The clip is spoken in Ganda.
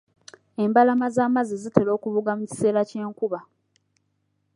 Embalama z'amazzi zitera okubooga mu kiseera ky'enkuba.